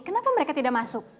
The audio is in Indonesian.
kenapa mereka tidak masuk